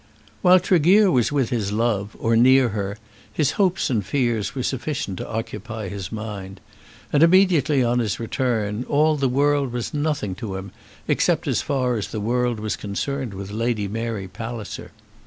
While Tregear was with his love, or near her, his hopes and fears were sufficient to occupy his mind; and immediately on his return, all the world was nothing to him, except as far as the world was concerned with Lady Mary Palliser.